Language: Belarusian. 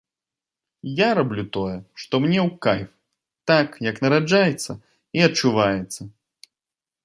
Я раблю тое, што мне ў кайф, так, як нараджаецца і адчуваецца.